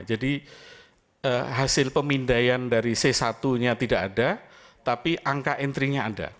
jadi hasil pemindaian dari c satu nya tidak ada tapi angka entry nya ada